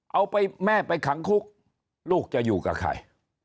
เอาไปแม่ไปขังคุกลูกจะอยู่กับใคร